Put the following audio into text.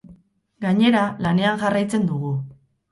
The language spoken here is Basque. Gainera, lanean jarraitzen dugu.